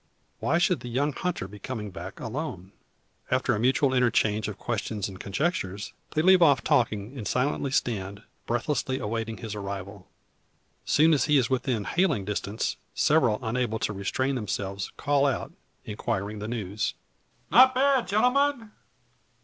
Why should the young hunter be coming back alone? After a mutual interchange of questions and conjectures, they leave off talking, and silently stand, breathlessly, awaiting his arrival. Soon as he is within hailing distance, several unable to restrain themselves, call out, inquiring the news. "Not bad, gentlemen!